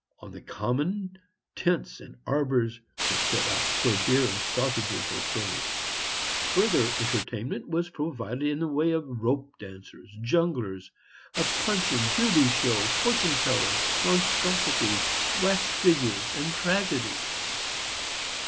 On the common, tents and arbors were put up, where beer and sausages were furnished. Further entertainment was provided in the way of rope dancers, jugglers, a Punch and Judy show, fortune tellers, monstrosities, wax figures, and tragedies.